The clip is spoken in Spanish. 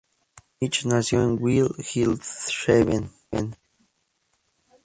Milch nació en Wilhelmshaven.